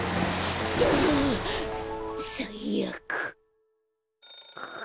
さいあく。